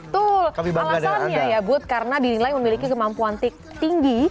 tuh alasannya ya bud karena dinilai memiliki kemampuan tinggi